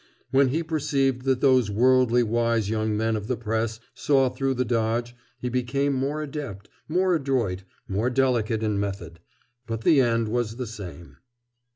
When he perceived that those worldly wise young men of the press saw through the dodge, he became more adept, more adroit, more delicate in method. But the end was the same.